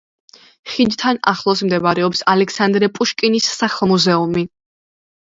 ხიდთან ახლოს მდებარეობს ალექსანდრე პუშკინის სახლ-მუზეუმი.